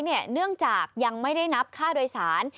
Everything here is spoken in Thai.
เนื่องจากยังไม่ได้นับค่าโดยสาร